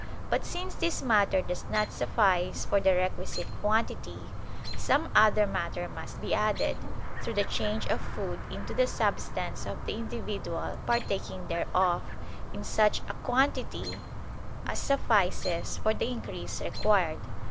But since this matter does not suffice for the requisite quantity, some other matter must be added, through the change of food into the substance of the individual partaking thereof, in such a quantity as suffices for the increase required.